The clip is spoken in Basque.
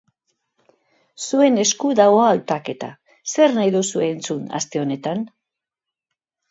Zuen esku dago hautaketa, zer nahi duzue entzun aste honetan?